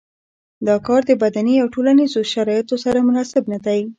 دا کار د بدني او ټولنیزو شرایطو سره مناسب نه دی.